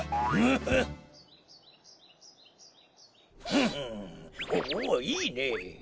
フフッおおいいね。